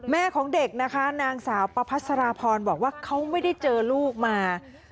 แม่ของเด็กนะคะนางสาวประพัสราพรบอกว่าเขาไม่ได้เจอลูกมา